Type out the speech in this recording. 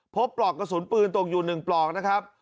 ปลอกกระสุนปืนตกอยู่๑ปลอกนะครับ